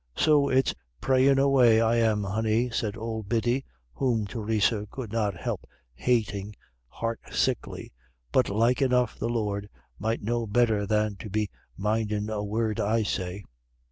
So it's prayin' away I am, honey," said old Biddy, whom Theresa could not help hating heart sickly. "But like enough the Lord might know better than to be mindin' a word I say."